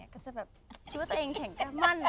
คิดว่าตัวเองแข็งแก้มั่น